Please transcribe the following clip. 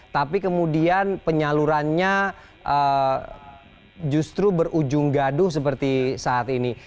tapi kemudian penyalurannya justru berujung gaduh seperti saat ini